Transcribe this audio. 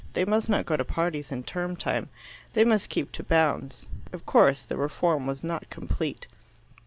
They must not go to parties in term time. They must keep to bounds. Of course the reform was not complete.